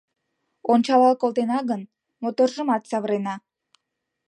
Ончалал колтена гын, моторжымат савырена